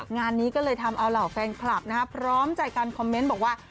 งานนี้ก็เลยทำเอาเหล่าแฟนคลับพร้อมใจกันคอมเมนต์บอกว่า